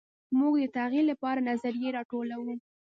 موږ د تغیر لپاره نظریې راټولوو.